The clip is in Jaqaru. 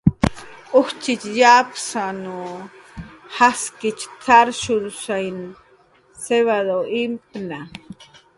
"Ujtxitx yapusn jaskich t""arshuysan siwadas imktna"